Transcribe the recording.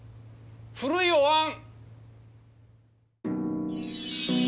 古いおわん！